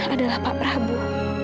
adalah pak prabu